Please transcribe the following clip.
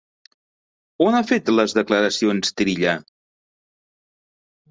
On ha fet les declaracions Trilla?